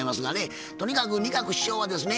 とにかく仁鶴師匠はですね